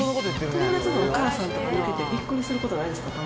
友達のお母さんとか見てて、びっくりすることないですか？